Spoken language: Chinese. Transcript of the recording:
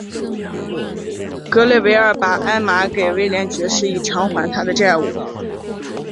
格雷维尔把艾玛给威廉爵士以偿还他的债务。